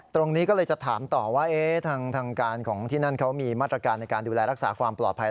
ตรงนี้ก็เลยจะถามต่อว่าทางการของที่นั่นเขามีมาตรการในการดูแลรักษาความปลอดภัย